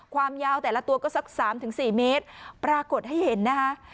ความยาวแต่ละตัวก็สัก๓๔เมตรปรากฏให้เห็นนะคะ